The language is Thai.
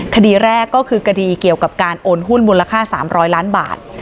คดีแรกก็คือคดีเกี่ยวกับการโอนหุ้นมูลค่า๓๐๐ล้านบาท